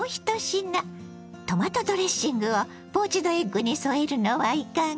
トマトドレッシングをポーチドエッグに添えるのはいかが。